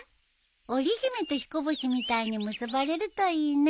織り姫とひこ星みたいに結ばれるといいね。